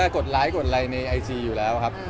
กดไลค์กดไลค์ในไอจีอยู่แล้วครับ